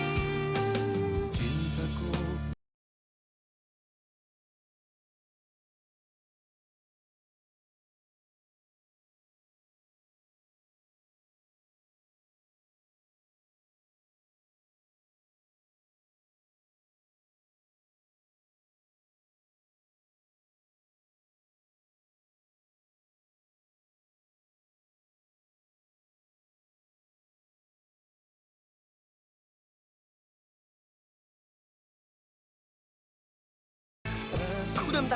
nah kita bisa berbual sama